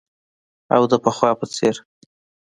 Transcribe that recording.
او د پخوا په څیر